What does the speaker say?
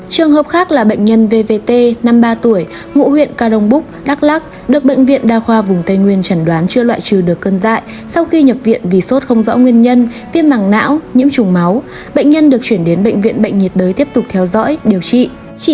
trường hợp khác là bệnh nhân vvt năm mươi ba tuổi ngụ huyện carong búc đắk lắc được bệnh viện đa khoa vùng tây nguyên trần đoán chưa loại trừ được cơn dại sau khi nhập viện vì sốt không rõ nguyên nhân viêm mảng não nhiễm trùng máu bệnh nhân được chuyển đến bệnh viện bệnh nhiệt đới tiếp tục theo dõi điều trị